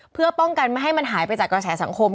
เพื่อป้องกันไม่ให้มันหายไปจากกระแสสังคม